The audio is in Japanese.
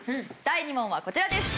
第２問はこちらです。